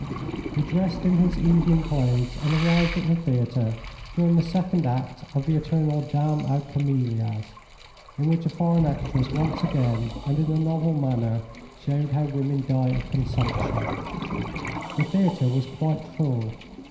He dressed in his evening clothes, and arrived at the theatre during the second act of the eternal Dame aux Camelias, in which a foreign actress once again, and in a novel manner, showed how women die of consumption. The theatre was quite full.